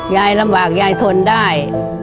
ยายลำบากยายทนได้